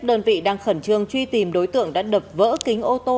đơn vị đang khẩn trương truy tìm đối tượng đã đập vỡ kính ô tô